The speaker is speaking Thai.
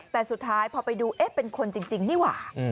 แต่สุดท้ายพอไปดูเอ๊ะเป็นคนจริงนี่หว่า